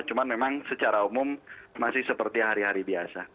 cuma memang secara umum masih seperti hari hari biasa